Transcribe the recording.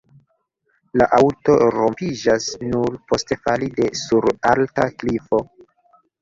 La aŭto rompiĝas nur post fali de sur alta klifo.